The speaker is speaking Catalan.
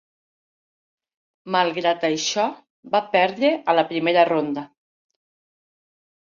Malgrat això, va perdre a la primera ronda.